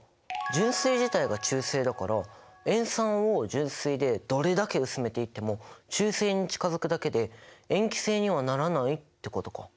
純水自体が中性だから塩酸を純水でどれだけ薄めていっても中性に近づくだけで塩基性にはならないってことか。